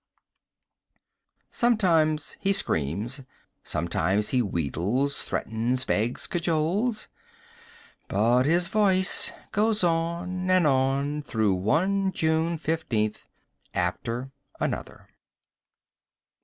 _" Sometimes he screams, sometimes he wheedles, threatens, begs, cajoles ... but his voice goes on and on through one June 15th after another.